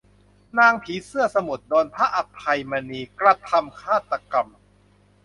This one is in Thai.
นางผีเสื้อสมุทร โดนพระอภัยมณีกระทำฆาตกรรม